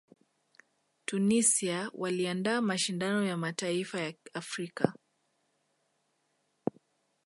tunisia waliandaa mashindano ya mataifa ya afrika